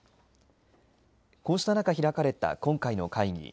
こうした中開かれた今回の会議。